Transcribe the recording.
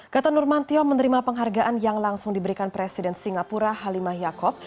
gatot nurmantio menerima penghargaan yang langsung diberikan presiden singapura halimah yaakob